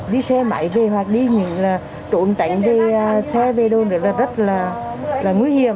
đi xe máy về hoặc đi những chỗ tránh xe về đâu nữa là rất là nguy hiểm